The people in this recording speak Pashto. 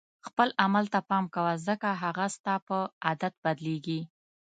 خپل عمل ته پام کوه ځکه هغه ستا په عادت بدلیږي.